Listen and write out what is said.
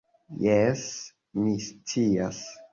Jes, mi scias